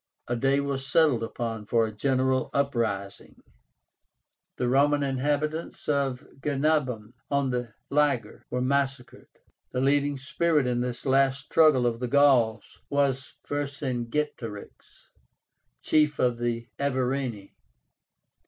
A day was settled upon for a general uprising. The Roman inhabitants of Genabum, on the Liger, were massacred. The leading spirit in this last struggle of the Gauls was VERCINGETORIX, chief of the Averni.